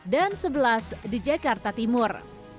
dan sebelas di jakarta timur